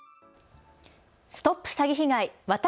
ＳＴＯＰ詐欺被害！